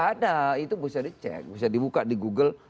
ada itu bisa dicek bisa dibuka di google